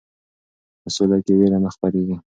په سوله کې ویره نه خپریږي.